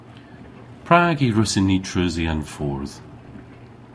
Prag y hwrussyn ni treusi an fordh?